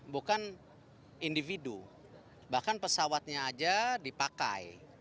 bukan individu bahkan pesawatnya aja dipakai